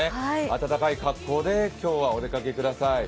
温かい格好で今日はお出かけください。